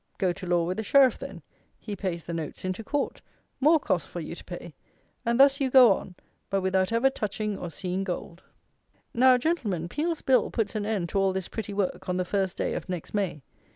Go to law with the Sheriff then. He pays the notes into Court. More costs for you to pay. And thus you go on; but without ever touching or seeing gold! Now, Gentlemen, Peel's Bill puts an end to all this pretty work on the first day of next May.